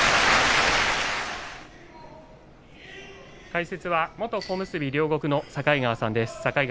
解説は元小結両国の境川さんです。